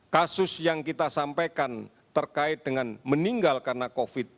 kasus yang kita sampaikan terkait dengan meninggal karena covid